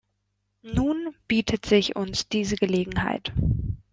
Nun bietet sich uns diese Gelegenheit.